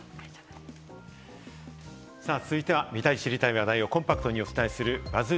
続いては、見たい知りたい話題をコンパクトにお伝えするＢＵＺＺ